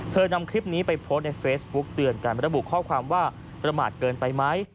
นำคลิปนี้ไปโพสต์ในเฟซบุ๊กเตือนการระบุข้อความว่าประมาทเกินไปไหม